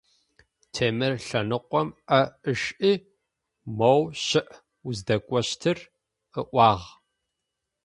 Темыр лъэныкъом ӏэ ышӏи, - моу щыӏ уздэкӏощтыр, - ыӏуагъ.